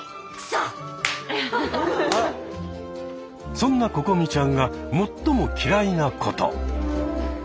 そんなここみちゃんが最も嫌いなこと。